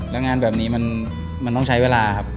แล้วงานแบบนี้มันต้องใช้เวลาครับ